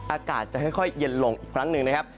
อากาศจะค่อยเย็นลงอีกครั้งหนึ่งนะครับ